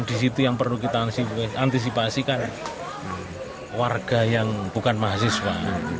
di situ yang perlu kita antisipasi kan warga yang bukan mahasiswa